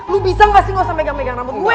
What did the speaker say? lu bisa gak sih gak usah megang megang rambut gue